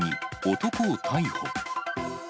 男を逮捕。